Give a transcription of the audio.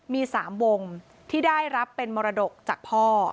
มี๓วงที่ได้รับเป็นมรดกจากพ่อ